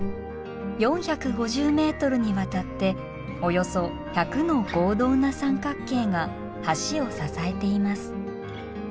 ４５０ｍにわたっておよそ１００の合同な三角形が橋を支えています。